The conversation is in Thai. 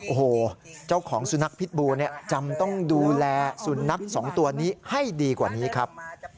โอ้โหเจ้าของสุนัขพิษบูเนี่ยจำต้องดูแลสุนัขสองตัวนี้ให้ดีกว่านี้ครับ